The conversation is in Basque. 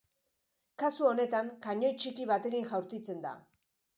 Kasu honetan, kanoi txiki batekin jaurtitzen da.